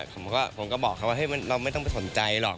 ผมก็บอกเขาว่าเราไม่ต้องไปสนใจหรอก